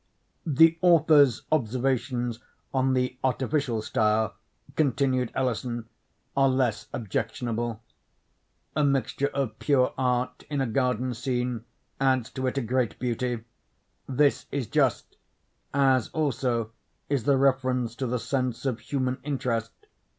"The author's observations on the artificial style," continued Ellison, "are less objectionable. A mixture of pure art in a garden scene adds to it a great beauty. This is just; as also is the reference to the sense of human interest.